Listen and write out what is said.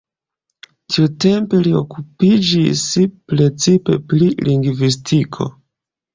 Tiutempe li okupiĝis precipe pri lingvistiko.